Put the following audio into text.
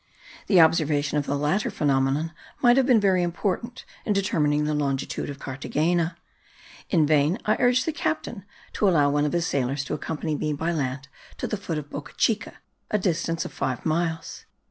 The observation of the latter phenomenon might have been very important in determining the longitude of Carthagena. In vain I urged the captain to allow one of his sailors to accompany me by land to the foot of Boca Chica, a distance of five miles.